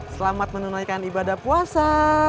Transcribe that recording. selamat menunaikan ibadah puasa